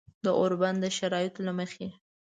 د اوربند د شرایطو له مخې